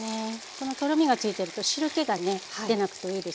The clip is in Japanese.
このとろみがついてると汁けが出なくていいですよ。